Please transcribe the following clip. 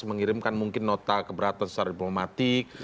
mengirimkan mungkin nota keberatan secara diplomatik